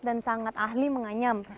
dan sangat ahli menganyam